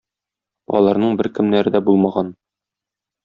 Аларның беркемнәре дә булмаган.